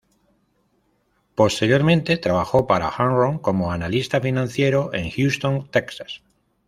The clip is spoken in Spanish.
Posteriormente, trabajó para Enron como analista financiero en Houston, Texas.